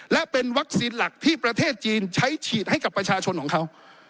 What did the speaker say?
และเป็นวัคซีนหลักที่ประเทศจีนใช้ฉีดให้กับประชาชนของเขา